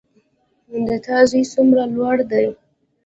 د تا زوی څومره لوړ ده